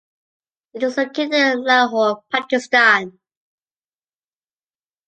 It is located in Lahore, Pakistan.